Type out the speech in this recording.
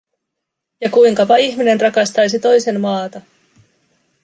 Ja kuinkapa ihminen rakastaisi toisen maata.